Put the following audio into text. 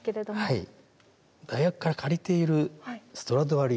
はい。